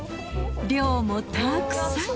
量もたっくさん。